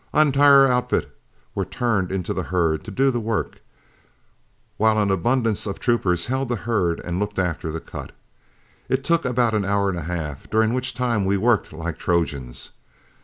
Our entire outfit were turned into the herd to do the work, while an abundance of troopers held the herd and looked after the cut. It took about an hour and a half, during which time we worked like Trojans.